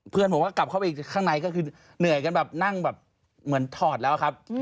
เพื่อนผมก็กลับเข้าไปข้างในก็คือเหนื่อยกันแบบนั่งแบบเหมือนถอดแล้วครับ